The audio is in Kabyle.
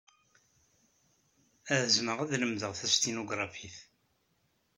Ɛezmeɣ ad lemdeɣ tastinugṛafit.